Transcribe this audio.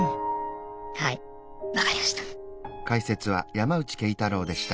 はい分かりました。